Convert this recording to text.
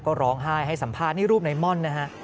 ก็ร้องไห้ให้สัมภาษณ์นี่รูปในม่อนนะฮะ